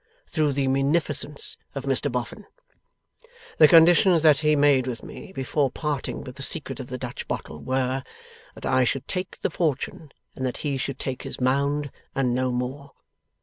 Through the munificence of Mr Boffin. The conditions that he made with me, before parting with the secret of the Dutch bottle, were, that I should take the fortune, and that he should take his Mound and no more.